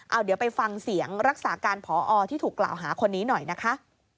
เอาเดี๋ยวไปฟังเสียงรักษาการพอที่ถูกกล่าวหาคนนี้หน่อยนะคะ